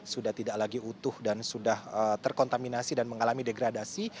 sudah tidak lagi utuh dan sudah terkontaminasi dan mengalami degradasi